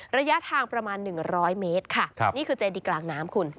ระยะทางประมาณหนึ่งร้อยเมตรค่ะครับนี่คือเจดีกลางน้ำคุณอ๋อ